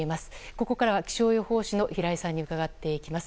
ここからは気象予報士の平井さんに伺っていきます。